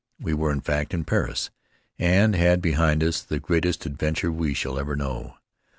We were, in fact, in Paris and had behind us the greatest adventure we shall ever know.